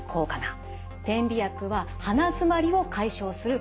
点鼻薬は鼻詰まりを解消する効果。